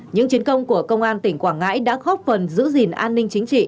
những chiến công của công an tỉnh quảng ngãi đã góp phần giữ gìn an ninh chính trị